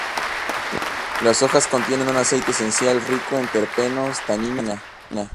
Las hojas contienen un aceite esencial rico en terpenos, taninos y resina.